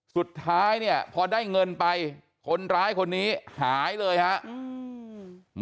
สุดท้ายเนี่ยพอได้เงินไปคนร้ายคนนี้หายเลยครับ